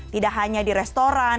tidak hanya di restoran